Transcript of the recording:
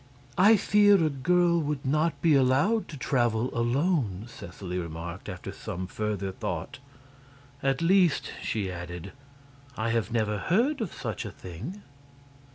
"I fear a girl would not be allowed to travel alone," Seseley remarked, after some further thought. "At least," she added, "I have never heard of such a thing."